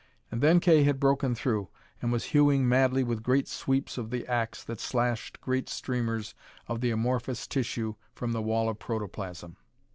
And then Kay had broken through, and was hewing madly with great sweeps of the ax that slashed great streamers of the amorphous tissue from the wall of protoplasm.